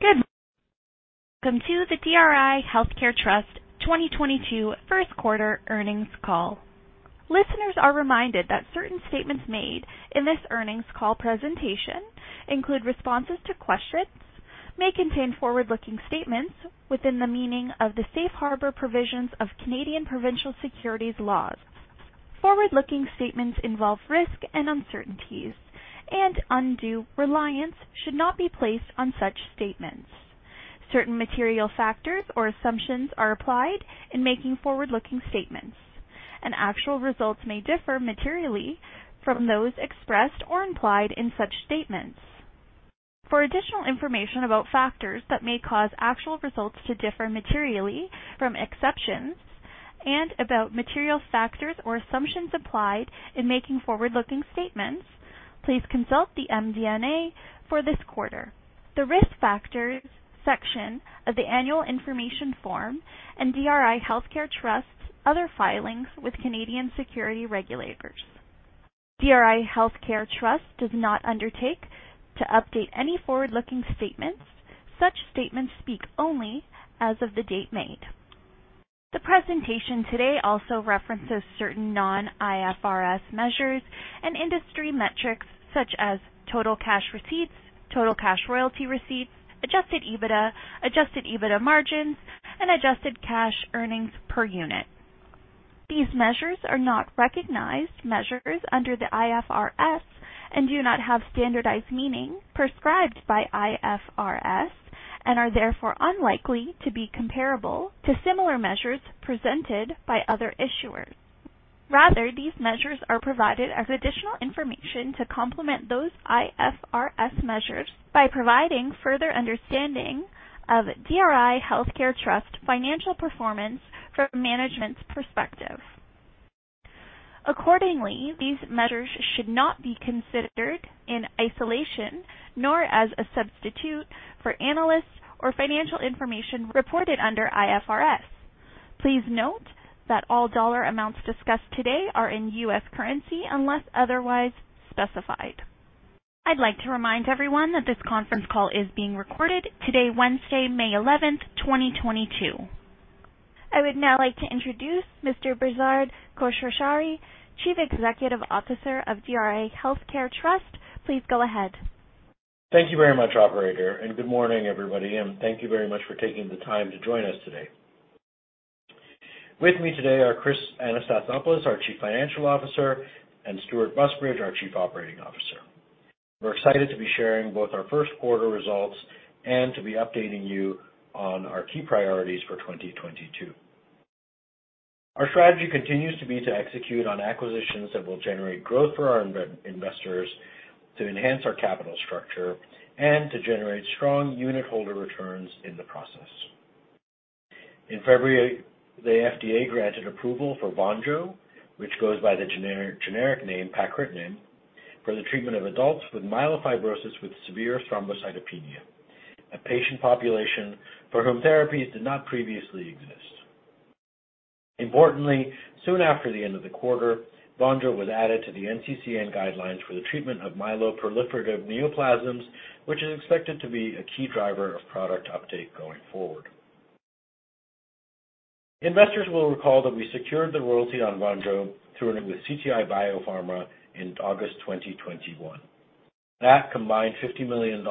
Good morning. Welcome to the DRI Healthcare Trust 2022 Q1 earnings call. Listeners are reminded that certain statements made in this earnings call presentation include responses to questions may contain forward-looking statements within the meaning of the safe harbor provisions of Canadian provincial securities laws. Forward-looking statements involve risk and uncertainties, and undue reliance should not be placed on such statements. Certain material factors or assumptions are applied in making forward-looking statements, and actual results may differ materially from those expressed or implied in such statements. For additional information about factors that may cause actual results to differ materially from expectations and about material factors or assumptions applied in making forward-looking statements, please consult the MD&A for this quarter, the Risk Factors section of the annual information form, and DRI Healthcare Trust other filings with Canadian securities regulators. DRI Healthcare Trust does not undertake to update any forward-looking statements. Such statements speak only as of the date made. The presentation today also references certain non-IFRS measures and industry metrics such as total cash receipts, total cash royalty receipts, adjusted EBITDA, adjusted EBITDA margins, and adjusted cash earnings per unit. These measures are not recognized measures under the IFRS and do not have standardized meaning prescribed by IFRS and are therefore unlikely to be comparable to similar measures presented by other issuers. Rather, these measures are provided as additional information to complement those IFRS measures by providing further understanding of DRI Healthcare Trust financial performance from management's perspective. Accordingly, these measures should not be considered in isolation nor as a substitute for analysts or financial information reported under IFRS. Please note that all dollar amounts discussed today are in US currency unless otherwise specified. I'd like to remind everyone that this conference call is being recorded today, Wednesday, May 11th, 2022. I would now like to introduce Mr. Behzad Khosrowshahi, Chief Executive Officer of DRI Healthcare Trust. Please go ahead. Thank you very much, operator, and good morning, everybody, and thank you very much for taking the time to join us today. With me today are Chris Anastasopoulos, our Chief Financial Officer, and Stewart Busbridge, our Chief Operating Officer. We're excited to be sharing both our first quarter results and to be updating you on our key priorities for 2022. Our strategy continues to be to execute on acquisitions that will generate growth for our investors to enhance our capital structure and to generate strong unitholder returns in the process. In February, the FDA granted approval for Vonjo, which goes by the generic name pacritinib, for the treatment of adults with myelofibrosis with severe thrombocytopenia, a patient population for whom therapies did not previously exist. Importantly, soon after the end of the quarter, Vonjo was added to the NCCN guidelines for the treatment of myeloproliferative neoplasms, which is expected to be a key driver of product uptake going forward. Investors will recall that we secured the royalty on Vonjo through a loan with CTI BioPharma in August 2021. That combined $50 million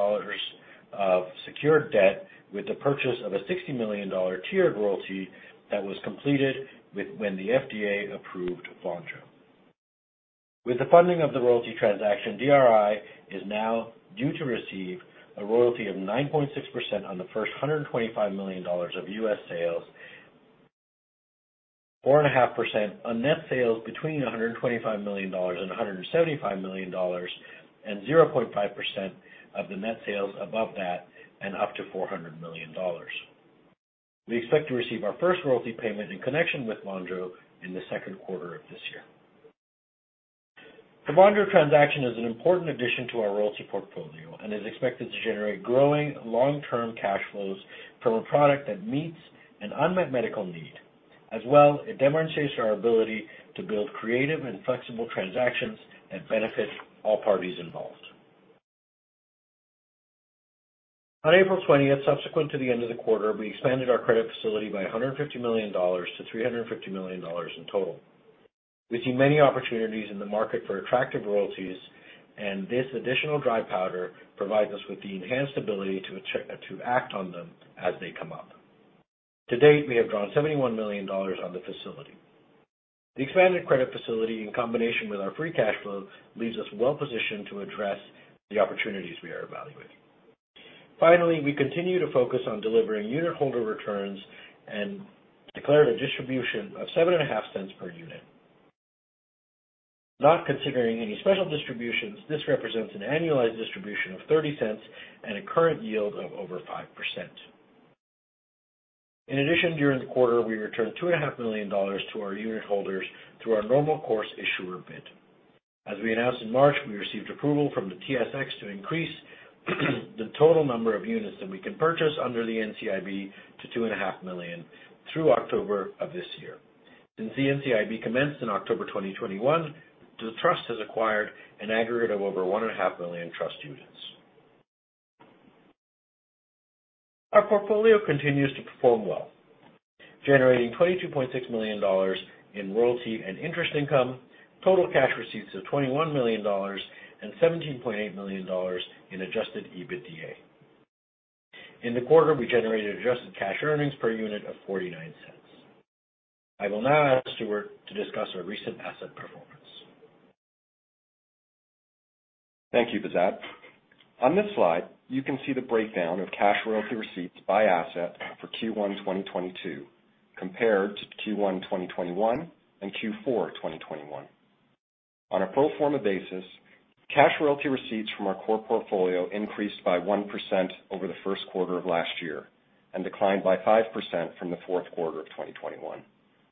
of secured debt with the purchase of a $60 million tiered royalty that was completed when the FDA approved Vonjo. With the funding of the royalty transaction, DRI is now due to receive a royalty of 9.6% on the first $125 million of US sales, 4.5% on net sales between $125 million and $175 million, and 0.5% of the net sales above that and up to $400 million. We expect to receive our first royalty payment in connection with Vonjo in the Q2 of this year. The Vonjo transaction is an important addition to our royalty portfolio and is expected to generate growing long-term cash flows from a product that meets an unmet medical need. As well, it demonstrates our ability to build creative and flexible transactions that benefit all parties involved. On April 20, subsequent to the end of the quarter, we expanded our credit facility by $150 million to $350 million in total. We see many opportunities in the market for attractive royalties, and this additional dry powder provides us with the enhanced ability to act on them as they come up. To date, we have drawn $71 million on the facility. The expanded credit facility, in combination with our free cash flow, leaves us well positioned to address the opportunities we are evaluating. Finally, we continue to focus on delivering unitholder returns and declared a distribution of $0.075 per unit. Not considering any special distributions, this represents an annualized distribution of $0.30 and a current yield of over 5%. In addition, during the quarter, we returned $2.5 million to our unitholders through our normal course issuer bid. As we announced in March, we received approval from the TSX to increase the total number of units that we can purchase under the NCIB to $2.5 million through October of this year. Since the NCIB commenced in October 2021, the trust has acquired an aggregate of over $1.5 million trust units. Our portfolio continues to perform well, generating $22.6 million in royalty and interest income, total cash receipts of $21 million, and $17.8 million in adjusted EBITDA. In the quarter, we generated adjusted cash earnings per unit of $0.49. I will now ask Stewart to discuss our recent asset performance. Thank you, Behzad. On this slide, you can see the breakdown of cash royalty receipts by asset for Q1 2022 compared to Q1 2021 and Q4 2021. On a pro forma basis, cash royalty receipts from our core portfolio increased by 1% over the Q1 of last year and declined by 5% from the Q4 of 2021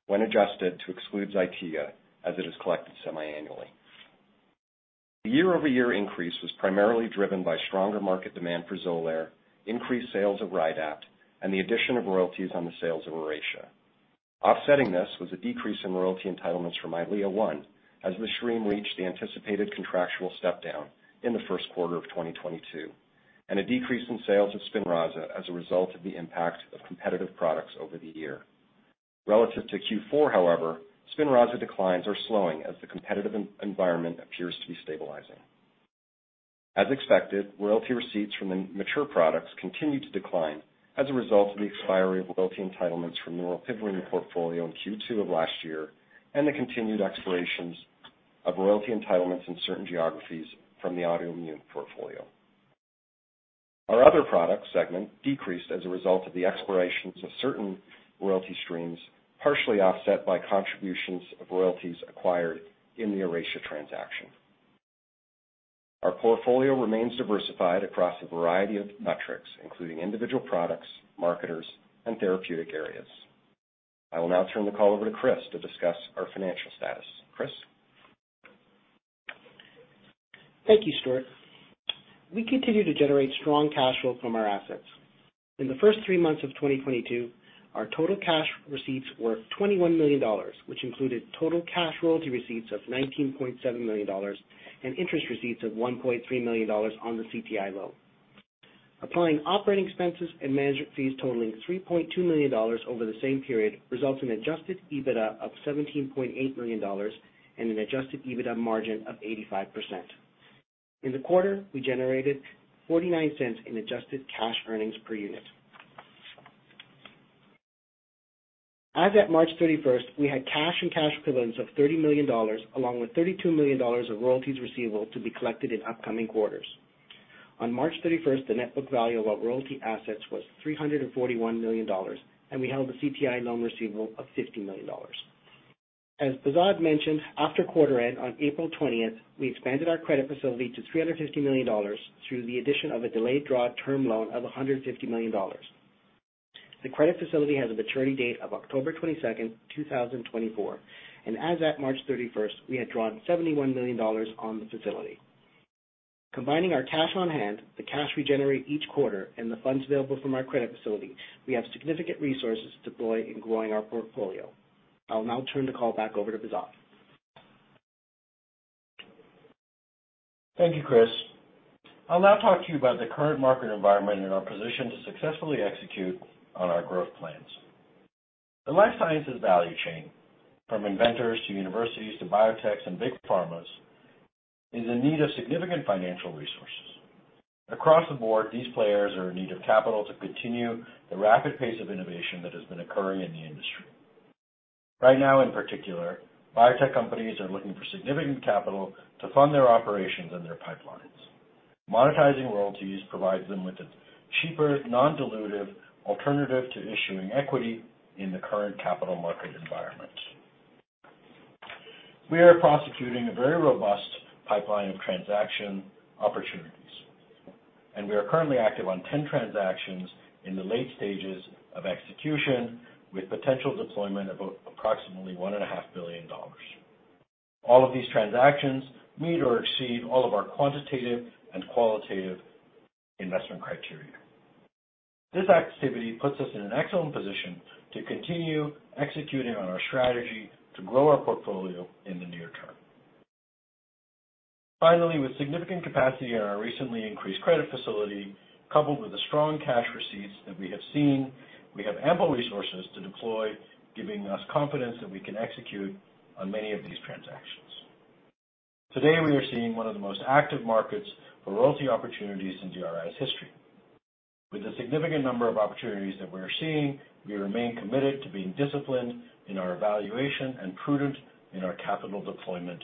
when adjusted to exclude Zytiga as it is collected semi-annually. The year-over-year increase was primarily driven by stronger market demand for Xolair, increased sales of Rydapt, and the addition of royalties on the sales of Aurinia. Offsetting this was a decrease in royalty entitlements from Eylea, as the stream reached the anticipated contractual step-down in the Q1 of 2022, and a decrease in sales of Spinraza as a result of the impact of competitive products over the year. Relative to Q4, however, Spinraza declines are slowing as the competitive environment appears to be stabilizing. As expected, royalty receipts from the mature products continued to decline as a result of the expiration of royalty entitlements from the luspatercept portfolio in Q2 of last year, and the continued expirations of royalty entitlements in certain geographies from the autoimmune portfolio. Our other product segment decreased as a result of the expirations of certain royalty streams, partially offset by contributions of royalties acquired in the Aurinia transaction. Our portfolio remains diversified across a variety of metrics, including individual products, marketers, and therapeutic areas. I will now turn the call over to Chris to discuss our financial status. Chris. Thank you, Stewart. We continue to generate strong cash flow from our assets. In the first three months of 2022, our total cash receipts were $21 million, which included total cash royalty receipts of $19.7 million and interest receipts of $1.3 million on the CTI loan. Applying operating expenses and management fees totaling $3.2 million over the same period results in adjusted EBITDA of $17.8 million and an adjusted EBITDA margin of 85%. In the quarter, we generated $0.49 in adjusted cash earnings per unit. As at March 31st, we had cash and cash equivalents of $30 million along with $32 million of royalties receivable to be collected in upcoming quarters. On March 31st, the net book value of our royalty assets was $341 million, and we held a CTI loan receivable of $50 million. As Behzad mentioned, after quarter end on April 20, we expanded our credit facility to $350 million through the addition of a delayed draw term loan of $150 million. The credit facility has a maturity date of October 22, 2024, and as at March 31st, we had drawn $71 million on the facility. Combining our cash on hand, the cash we generate each quarter, and the funds available from our credit facility, we have significant resources to deploy in growing our portfolio. I will now turn the call back over to Behzad. Thank you, Chris. I'll now talk to you about the current market environment and our position to successfully execute on our growth plans. The life sciences value chain, from inventors to universities to biotechs and big pharmas, is in need of significant financial resources. Across the board, these players are in need of capital to continue the rapid pace of innovation that has been occurring in the industry. Right now, in particular, biotech companies are looking for significant capital to fund their operations and their pipelines. Monetizing royalties provides them with a cheaper, non-dilutive alternative to issuing equity in the current capital market environment. We are prosecuting a very robust pipeline of transaction opportunities, and we are currently active on 10 transactions in the late stages of execution, with potential deployment of approximately $1.5 billion. All of these transactions meet or exceed all of our quantitative and qualitative investment criteria. This activity puts us in an excellent position to continue executing on our strategy to grow our portfolio in the near term. Finally, with significant capacity in our recently increased credit facility, coupled with the strong cash receipts that we have seen, we have ample resources to deploy, giving us confidence that we can execute on many of these transactions. Today, we are seeing one of the most active markets for royalty opportunities in DRI's history. With the significant number of opportunities that we are seeing, we remain committed to being disciplined in our evaluation and prudent in our capital deployment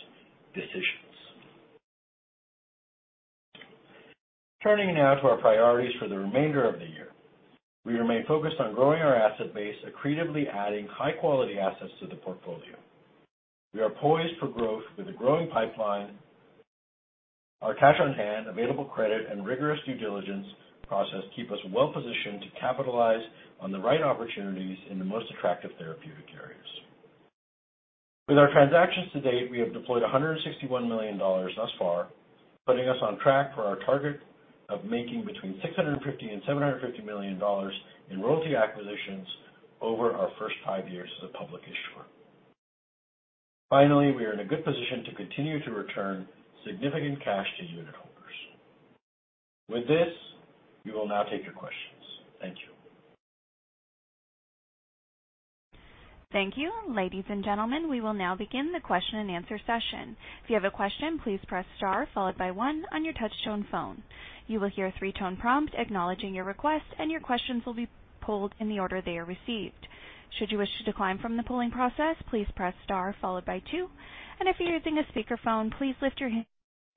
decisions. Turning now to our priorities for the remainder of the year. We remain focused on growing our asset base, accretively adding high-quality assets to the portfolio. We are poised for growth with a growing pipeline. Our cash on hand, available credit, and rigorous due diligence process keep us well positioned to capitalize on the right opportunities in the most attractive therapeutic areas. With our transactions to date, we have deployed $161 million thus far, putting us on track for our target of making between $650 million and $750 million in royalty acquisitions over our first five years as a public issuer. Finally, we are in a good position to continue to return significant cash to unitholders. With this, we will now take your questions. Thank you. Thank you. Ladies and gentlemen, we will now begin the Q&A session. If you have a question, please press star followed by one on your touchtone phone. You will hear a three-tone prompt acknowledging your request, and your questions will be pulled in the order they are received. Should you wish to decline from the polling process, please press star followed by two. If you're using a speakerphone, please lift your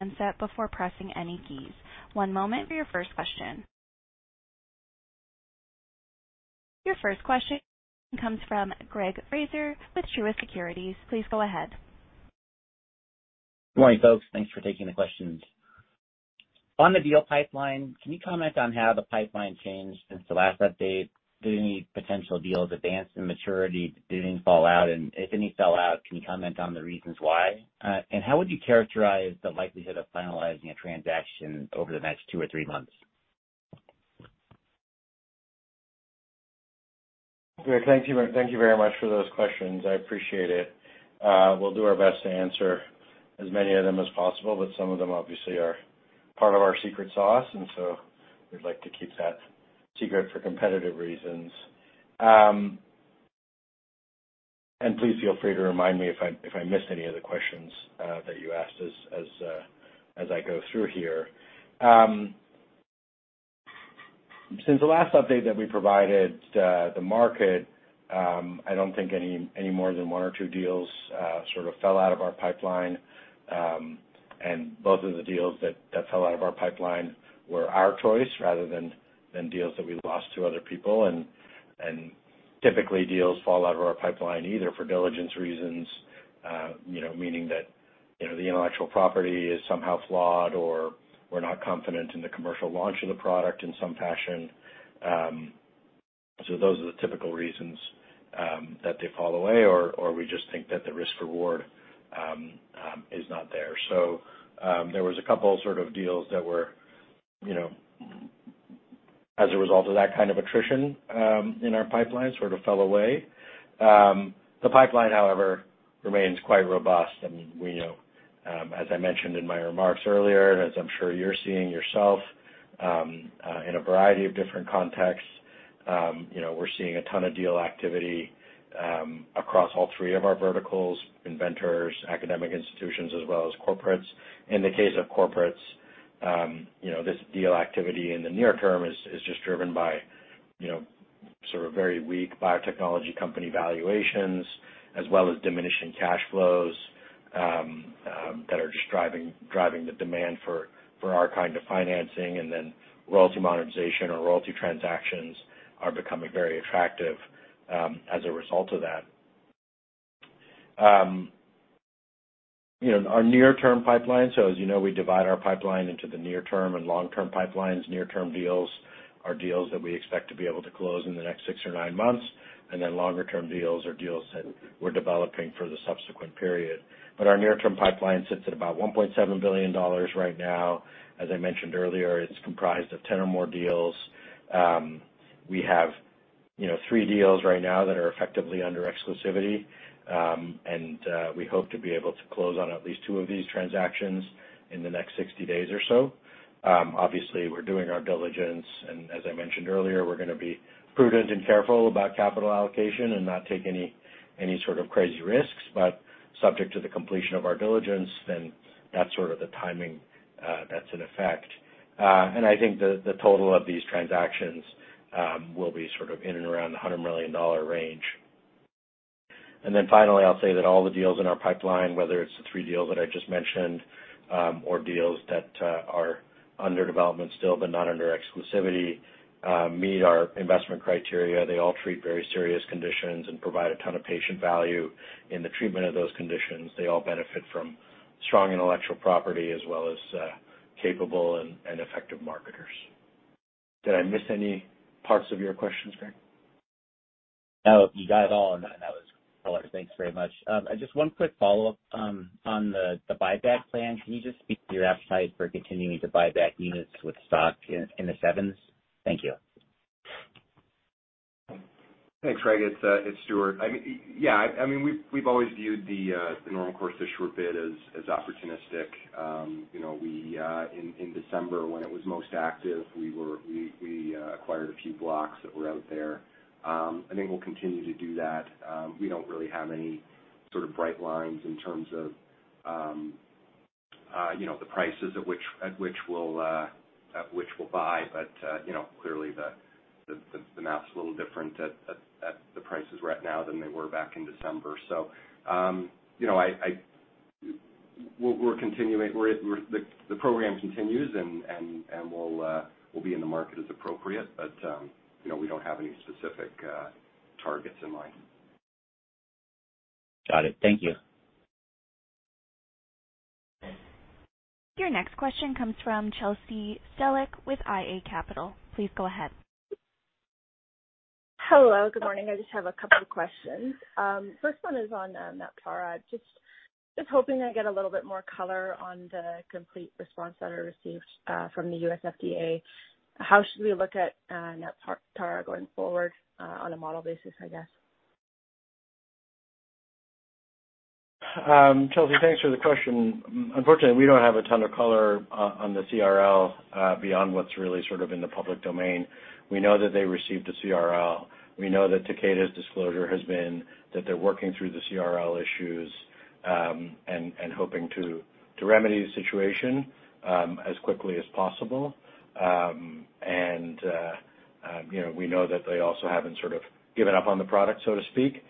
handset before pressing any keys. One moment for your first question. Your first question comes from Gregg Fraser with Truist Securities. Please go ahead. Good morning, folks. Thanks for taking the questions. On the deal pipeline, can you comment on how the pipeline changed since the last update? Did any potential deals advance in maturity? Did any fall out? If any fell out, can you comment on the reasons why? How would you characterize the likelihood of finalizing a transaction over the next two or three months? Great. Thank you. Thank you very much for those questions. I appreciate it. We'll do our best to answer as many of them as possible, but some of them obviously are part of our secret sauce, and so we'd like to keep that secret for competitive reasons. Please feel free to remind me if I missed any of the questions that you asked as I go through here. Since the last update that we provided to the market, I don't think any more than one or two deals sort of fell out of our pipeline. Both of the deals that fell out of our pipeline were our choice rather than deals that we lost to other people. Typically deals fall out of our pipeline either for diligence reasons, you know, meaning that, you know, the intellectual property is somehow flawed or we're not confident in the commercial launch of the product in some fashion. Those are the typical reasons that they fall away, or we just think that the risk/reward is not there. There was a couple sort of deals that were, you know, as a result of that kind of attrition in our pipeline sort of fell away. The pipeline, however, remains quite robust. We know, as I mentioned in my remarks earlier, and as I'm sure you're seeing yourself, in a variety of different contexts, you know, we're seeing a ton of deal activity across all three of our verticals, Inventors, Academic Institutions, as well as Corporates. In the case of corporates, you know, this deal activity in the near term is just driven by, you know, sort of very weak biotechnology company valuations as well as diminishing cash flows that are just driving the demand for our kind of financing. Royalty monetization or royalty transactions are becoming very attractive, as a result of that. You know, our near-term pipeline, so as you know, we divide our pipeline into the near-term and long-term pipelines. Near-term deals are deals that we expect to be able to close in the next six or nine months, and then longer-term deals are deals that we're developing for the subsequent period. Our near-term pipeline sits at about $1.7 billion right now. As I mentioned earlier, it's comprised of 10 or more deals. We have, you know, three deals right now that are effectively under exclusivity. We hope to be able to close on at least two of these transactions in the next 60 days or so. Obviously we're doing our diligence and as I mentioned earlier, we're gonna be prudent and careful about capital allocation and not take any sort of crazy risks, but subject to the completion of our diligence, then that's sort of the timing, that's in effect. I think the total of these transactions will be sort of in and around the $100 million range. Finally, I'll say that all the deals in our pipeline, whether it's the three deals that I just mentioned, or deals that are under development still but not under exclusivity, meet our investment criteria. They all treat very serious conditions and provide a ton of patient value in the treatment of those conditions. They all benefit from strong intellectual property as well as capable and effective marketers. Did I miss any parts of your questions, Greg? No, you got it all and that was clear. Thanks very much. Just one quick follow-up on the buyback plan. Can you just speak to your appetite for continuing to buy back units with stock in the sevens? Thank you. Thanks, Greg. It's Stewart. I mean, yeah, I mean, we've always viewed the normal course issuer bid as opportunistic. You know, we in December when it was most active, we were, we acquired a few blocks that were out there. I think we'll continue to do that. We don't really have any sort of bright lines in terms of, you know, the prices at which we'll buy. You know, clearly the math's a little different at the prices we're at now than they were back in December. You know, we're continuing. The program continues, and we'll be in the market as appropriate, but you know, we don't have any specific targets in mind. Got it. Thank you. Your next question comes from Chelsea Stellick with iA Capital. Please go ahead. Hello, good morning. I just have a couple questions. First one is on NATPARA. Just hoping I get a little bit more color on the complete response letter received from the U.S. FDA. How should we look at NATPARA going forward on a model basis, I guess? Chelsea, thanks for the question. Unfortunately, we don't have a ton of color on the CRL beyond what's really sort of in the public domain. We know that they received a CRL. We know that Takeda's disclosure has been that they're working through the CRL issues, and hoping to remedy the situation as quickly as possible. You know, we know that they also haven't sort of given up on the product, so to speak.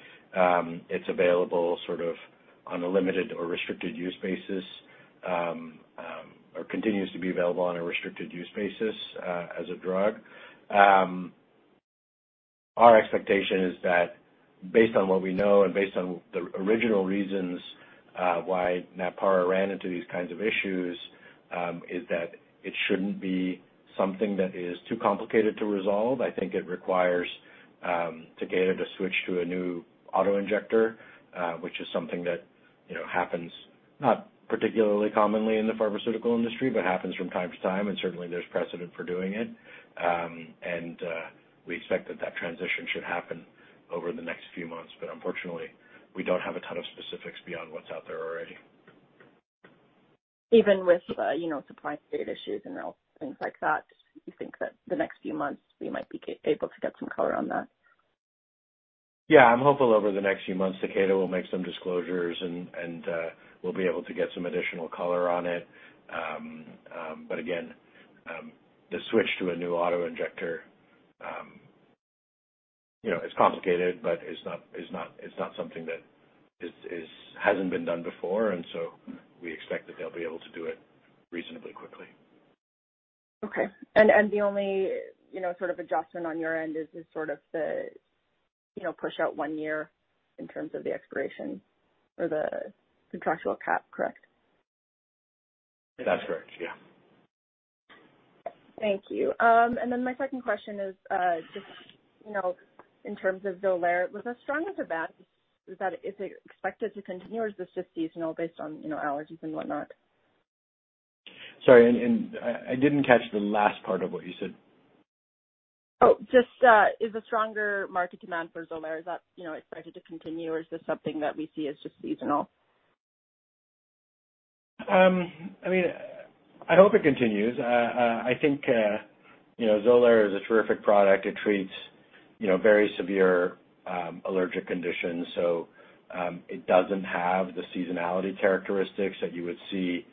It's available sort of on a limited or restricted use basis, or continues to be available on a restricted use basis, as a drug. Our expectation is that based on what we know and based on the original reasons why NATPARA ran into these kinds of issues is that it shouldn't be something that is too complicated to resolve. I think it requires Takeda to switch to a new auto-injector, which is something that, you know, happens not particularly commonly in the pharmaceutical industry, but happens from time to time, and certainly there's precedent for doing it. We expect that transition should happen over the next few months, but unfortunately we don't have a ton of specifics beyond what's out there already. Even with, you know, supply chain issues and all things like that, you think that the next few months we might be able to get some color on that? I'm hopeful over the next few months, Takeda will make some disclosures and we'll be able to get some additional color on it. Again, the switch to a new auto-injector, you know, is complicated, but it's not something that hasn't been done before, and we expect that they'll be able to do it reasonably quickly. Okay. The only, you know, sort of adjustment on your end is sort of the, you know, push out one year in terms of the expiration or the contractual cap, correct? That's correct. Yeah. Thank you. My second question is, just, you know, in terms of Xolair, was as strong as that, is that, is it expected to continue, or is this just seasonal based on, you know, allergies and whatnot? Sorry, and I didn't catch the last part of what you said. Is the stronger market demand for Xolair, is that, you know, expected to continue or is this something that we see as just seasonal? I mean, I hope it continues. I think, you know, Xolair is a terrific product. It treats, you know, very severe allergic conditions. It doesn't have the seasonality characteristics that you would see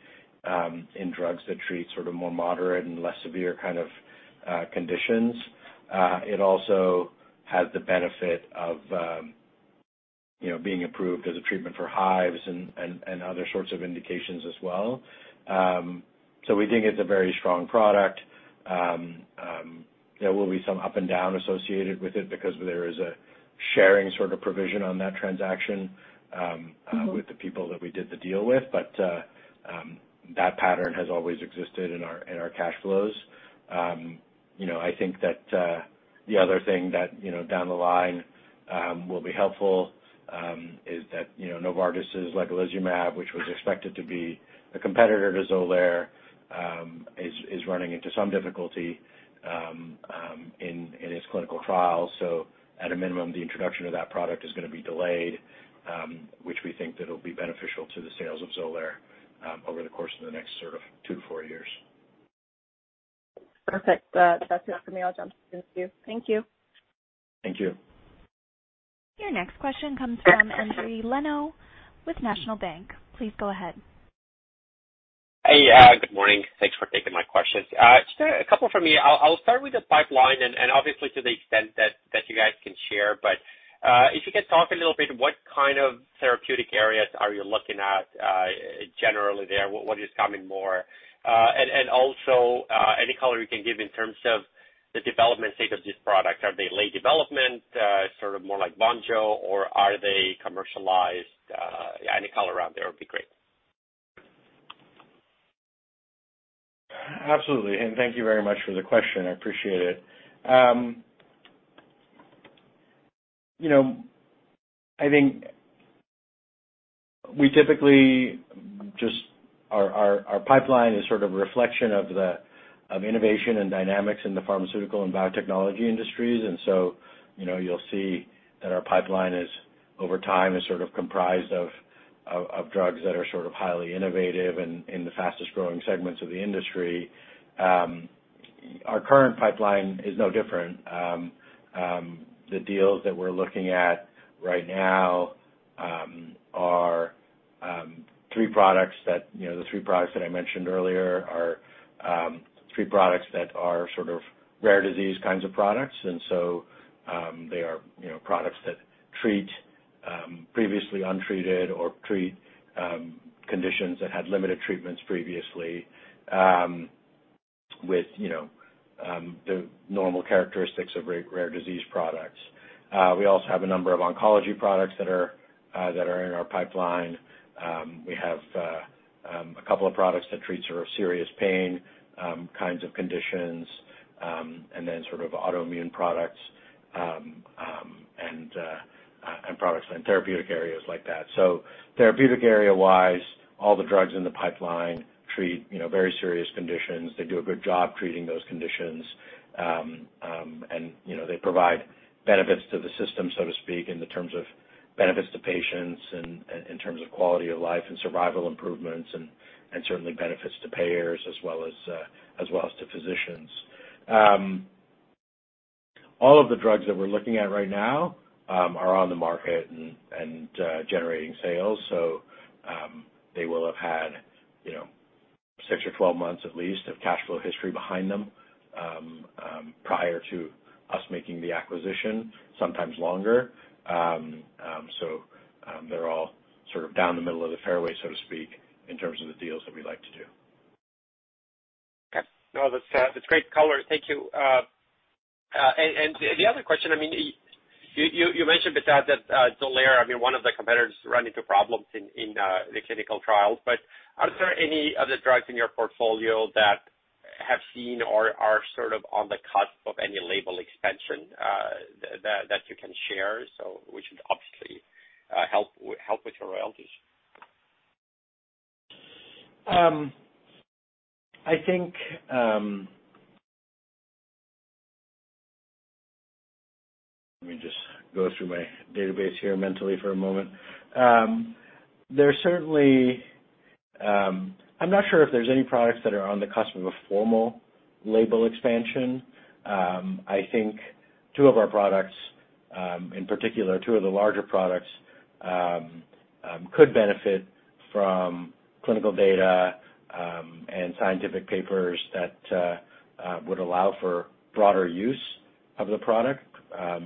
in drugs that treat sort of more moderate and less severe kind of conditions. It also has the benefit of, you know, being approved as a treatment for hives and other sorts of indications as well. We think it's a very strong product. There will be some up and down associated with it because there is a sharing sort of provision on that transaction. Mm-hmm. With the people that we did the deal with. That pattern has always existed in our cash flows. You know, I think that the other thing that, you know, down the line, will be helpful is that, you know, Novartis' ligelizumab, which was expected to be a competitor to Xolair, is running into some difficulty in its clinical trials. At a minimum, the introduction of that product is gonna be delayed, which we think that it'll be beneficial to the sales of Xolair over the course of the next sort of 2 to 4 years. Perfect. That's it for me. I'll jump off the queue. Thank you. Thank you. Your next question comes from Endri Leno with National Bank. Please go ahead. Hey, good morning. Thanks for taking my questions. Just a couple from me. I'll start with the pipeline and obviously to the extent that you guys can share. If you could talk a little bit, what kind of therapeutic areas are you looking at generally there? What is coming more? And also, any color you can give in terms of the development state of this product. Are they late development, sort of more like Vonjo, or are they commercialized? Any color around there would be great. Absolutely. Thank you very much for the question. I appreciate it. You know, I think we typically just. Our pipeline is sort of a reflection of innovation and dynamics in the pharmaceutical and biotechnology industries. You know, you'll see that our pipeline, over time, is sort of comprised of drugs that are sort of highly innovative and in the fastest-growing segments of the industry. Our current pipeline is no different. The deals that we're looking at right now are three products that, you know, the three products that I mentioned earlier are three products that are sort of rare disease kinds of products. They are, you know, products that treat previously untreated or treat conditions that had limited treatments previously. With, you know, the normal characteristics of rare disease products. We also have a number of oncology products that are in our pipeline. We have a couple of products that treat sort of serious, painful kinds of conditions, and then sort of autoimmune products, and products in therapeutic areas like that. Therapeutic area-wise, all the drugs in the pipeline treat, you know, very serious conditions. They do a good job treating those conditions. And, you know, they provide benefits to the system, so to speak, in terms of benefits to patients and in terms of quality of life and survival improvements and certainly benefits to payers as well as to physicians. All of the drugs that we're looking at right now are on the market and generating sales. They will have had, you know, 6 or 12 months at least of cash flow history behind them prior to us making the acquisition, sometimes longer. They're all sort of down the middle of the fairway, so to speak, in terms of the deals that we like to do. Okay. No, that's great color. Thank you. The other question, I mean, you mentioned, Behzad, that Ligelizumab, I mean, one of the competitors ran into problems in the clinical trials, but are there any other drugs in your portfolio that have seen or are sort of on the cusp of any label expansion, that you can share, so which would obviously help with your royalties? I think. Let me just go through my database here mentally for a moment. There are certainly. I'm not sure if there's any products that are on the cusp of a formal label expansion. I think two of our products, in particular two of the larger products, could benefit from clinical data, and scientific papers that would allow for broader use of the product,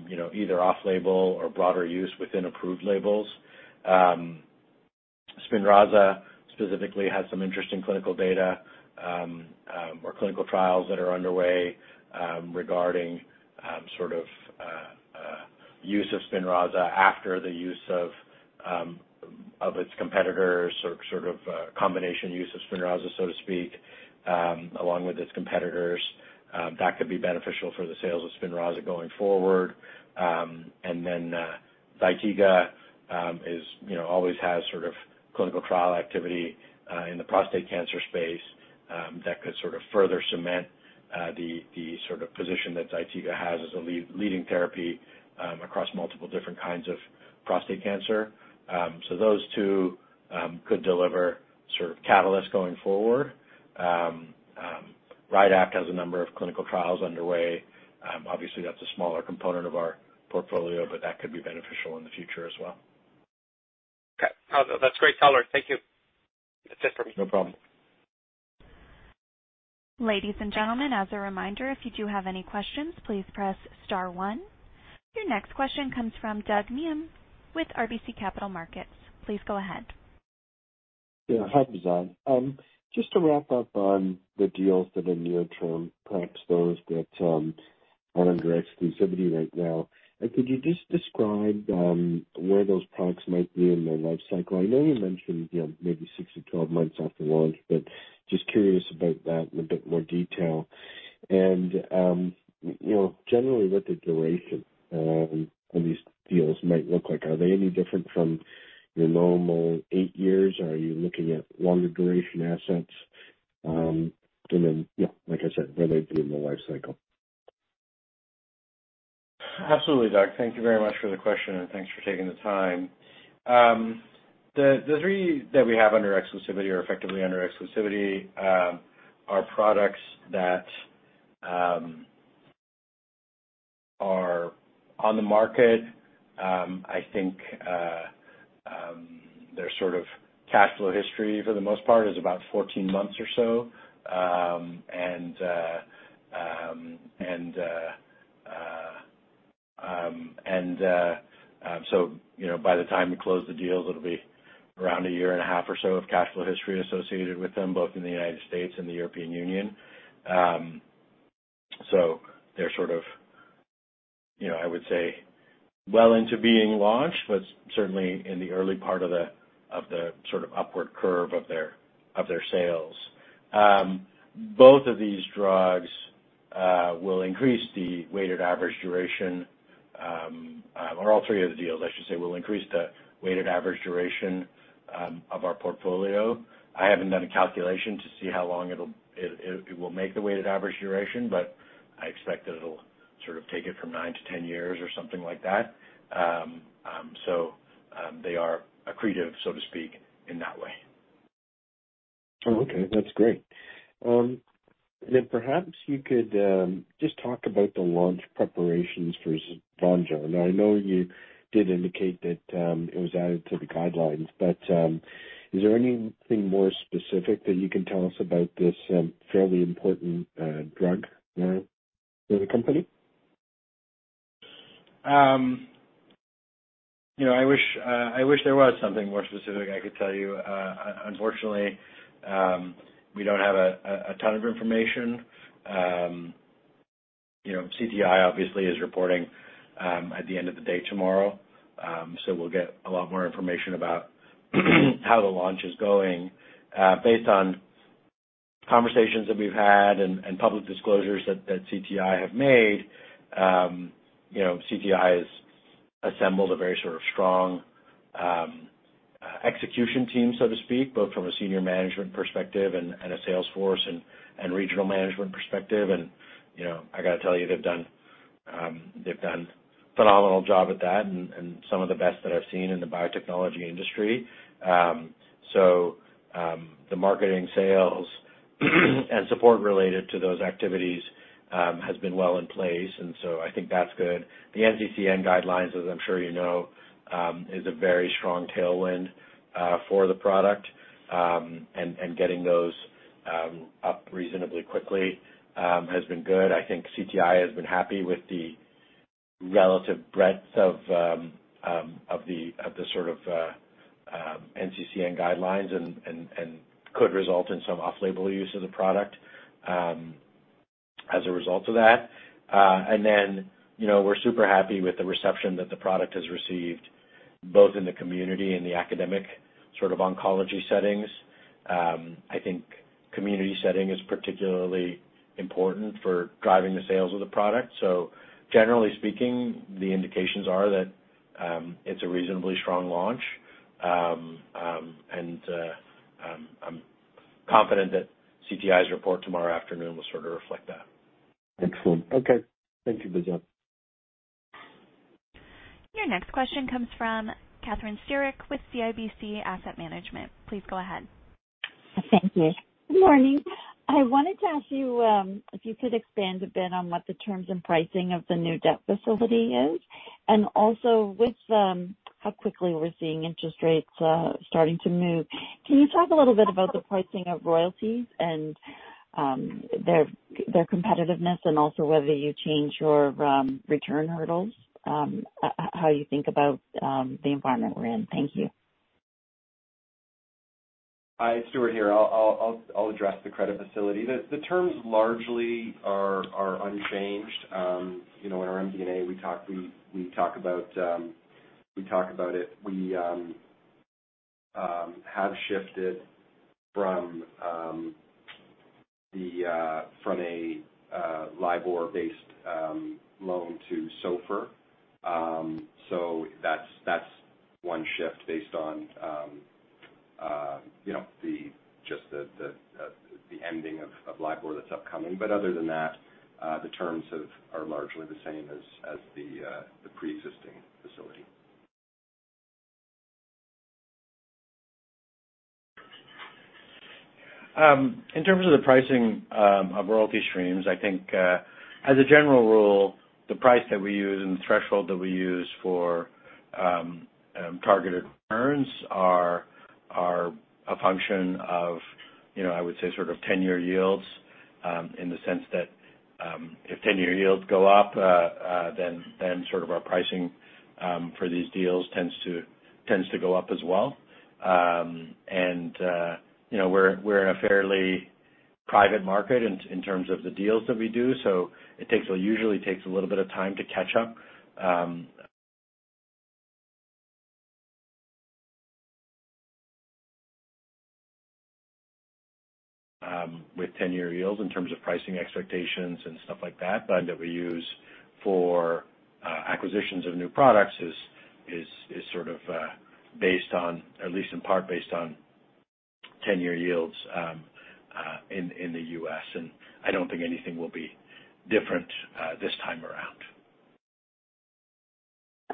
you know, either off-label or broader use within approved labels. Spinraza specifically has some interesting clinical data, or clinical trials that are underway, regarding sort of use of Spinraza after the use of its competitors or sort of combination use of Spinraza, so to speak, along with its competitors. That could be beneficial for the sales of Spinraza going forward. Zytiga, you know, always has sort of clinical trial activity in the prostate cancer space that could sort of further cement the sort of position that Zytiga has as a lead, leading therapy across multiple different kinds of prostate cancer. Those two could deliver sort of catalyst going forward. Rydapt has a number of clinical trials underway. Obviously, that's a smaller component of our portfolio, but that could be beneficial in the future as well. Okay. No, that's great color. Thank you. That's it for me. No problem. Ladies and gentlemen, as a reminder, if you do have any questions, please press star one. Your next question comes from Doug Miehm with RBC Capital Markets. Please go ahead. Yeah. Hi, Behzad. Just to wrap up on the deals that are near term, perhaps those that are under exclusivity right now, could you just describe where those products might be in their lifecycle? I know you mentioned, you know, maybe 6 to 12 months after launch, but just curious about that in a bit more detail. You know, generally, what the duration of these deals might look like. Are they any different from your normal eight years? Are you looking at longer duration assets? Yeah, like I said, where they'd be in the lifecycle. Absolutely, Doug. Thank you very much for the question, and thanks for taking the time. The three that we have under exclusivity or effectively under exclusivity are products that are on the market. I think their sort of cash flow history for the most part is about 14 months or so. You know, by the time we close the deals, it'll be around a year and a half or so of cash flow history associated with them, both in the United States and the European Union. They're sort of, you know, I would say, well into being launched, but certainly in the early part of the sort of upward curve of their sales. Both of these drugs will increase the weighted average duration, or all three of the deals, I should say, will increase the weighted average duration of our portfolio. I haven't done a calculation to see how long it will make the weighted average duration, but I expect that it'll sort of take it from nine to 10 years or something like that. They are accretive, so to speak, in that way. Okay, that's great. Perhaps you could just talk about the launch preparations for Vonjo. Now, I know you did indicate that it was added to the guidelines, but is there anything more specific that you can tell us about this fairly important drug for the company? You know, I wish there was something more specific I could tell you. Unfortunately, we don't have a ton of information. You know, CTI obviously is reporting at the end of the day tomorrow. We'll get a lot more information about how the launch is going. Based on conversations that we've had and public disclosures that CTI have made, you know, CTI has assembled a very sort of strong execution team, so to speak, both from a senior management perspective and a sales force and regional management perspective. I gotta tell you, they've done a phenomenal job at that and some of the best that I've seen in the biotechnology industry. The marketing sales and support related to those activities has been well in place, and so I think that's good. The NCCN guidelines, as I'm sure you know, is a very strong tailwind for the product. Getting those up reasonably quickly has been good. I think CTI has been happy with the relative breadth of the sort of NCCN guidelines and could result in some off-label use of the product as a result of that. You know, we're super happy with the reception that the product has received, both in the community and the academic sort of oncology settings. I think community setting is particularly important for driving the sales of the product. Generally speaking, the indications are that it's a reasonably strong launch. I'm confident that CTI's report tomorrow afternoon will sort of reflect that. Excellent. Okay. Thank you, Behzad. Your next question comes from Kathryn Siric with CIBC Asset Management. Please go ahead. Thank you. Good morning. I wanted to ask you, if you could expand a bit on what the terms and pricing of the new debt facility is. Also with how quickly we're seeing interest rates starting to move, can you talk a little bit about the pricing of royalties and their competitiveness and also whether you change your return hurdles, how you think about the environment we're in? Thank you. Hi, it's Stewart here. I'll address the credit facility. The terms largely are unchanged. You know, in our MD&A, we talk about it. We have shifted from a LIBOR-based loan to SOFR. That's one shift based on you know, just the ending of LIBOR that's upcoming. Other than that, the terms are largely the same as the preexisting facility. In terms of the pricing of royalty streams, I think, as a general rule, the price that we use and the threshold that we use for targeted returns are a function of, you know, I would say sort of 10-year yields, in the sense that, if 10-year yields go up, then sort of our pricing for these deals tends to go up as well. And, you know, we're in a fairly private market in terms of the deals that we do, so it usually takes a little bit of time to catch up.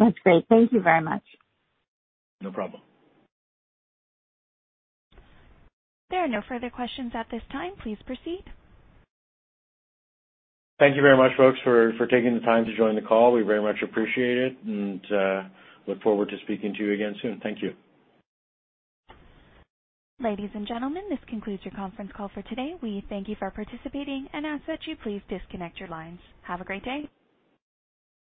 That's great. Thank you very much. No problem. There are no further questions at this time. Please proceed. Thank you very much, folks, for taking the time to join the call. We very much appreciate it and look forward to speaking to you again soon. Thank you. Ladies and gentlemen, this concludes your conference call for today. We thank you for participating and ask that you please disconnect your lines. Have a great day.